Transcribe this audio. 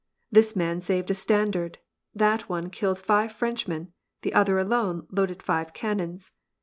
This man saved a standard, that one killed five Frenchmen, the other alone loaded five cannons.